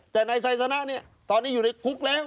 แต่นายไซสนะตอนนี้อยู่ในคุกแล้ว